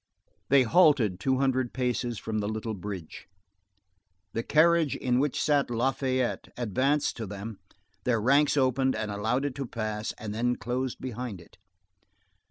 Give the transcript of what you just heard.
They halted two hundred paces from the little bridge. The carriage in which sat Lafayette advanced to them, their ranks opened and allowed it to pass, and then closed behind it.